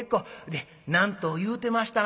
で何と言うてましたな？